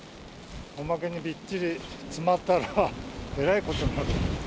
おまけにびっちり詰まったら、えらいことになる。